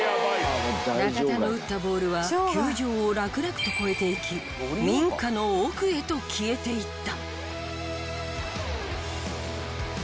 中田の打ったボールは球場をラクラクと越えていき民家の奥へと消えていった。